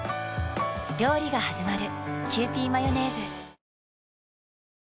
料理がはじまる。